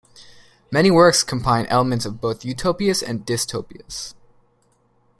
Many works combine elements of both utopias and dystopias.